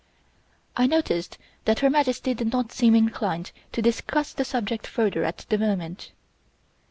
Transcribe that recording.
I noticed that Her Majesty did not seem inclined to discuss the subject further at the moment.